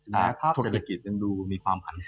ภาพศัตริกิจยังดูมีความอันควร